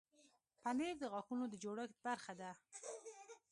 پنېر د غاښونو د جوړښت برخه ده.